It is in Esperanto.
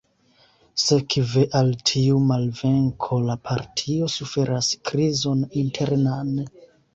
Sekve al tiu malvenko, la partio suferas krizon internan.